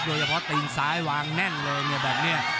โดยเฉพาะตีนซ้ายวางแน่นเลยแบบนี้